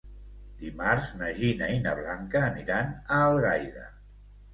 Dimarts na Gina i na Blanca aniran a Algaida.